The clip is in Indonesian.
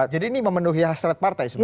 jadi ini memenuhi hasrat partai sebenarnya